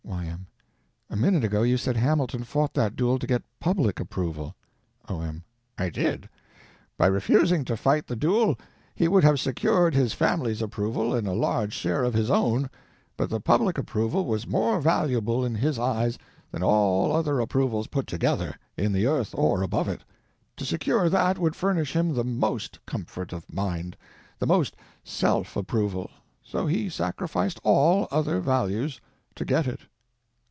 Y.M. A minute ago you said Hamilton fought that duel to get public approval. O.M. I did. By refusing to fight the duel he would have secured his family's approval and a large share of his own; but the public approval was more valuable in his eyes than all other approvals put together—in the earth or above it; to secure that would furnish him the most comfort of mind, the most self—approval; so he sacrificed all other values to get it.